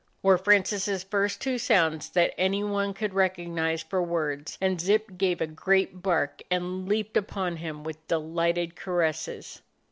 were Francis's first two sounds that any one could recognize for words, and Zip gave a great bark and leaped upon him with delighted caresses.